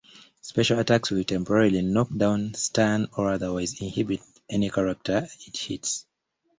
Special attacks will temporarily knock down, stun, or otherwise inhibit any character it hits.